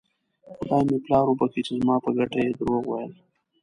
خدای مې پلار وبښي چې زما په ګټه یې درواغ ویل.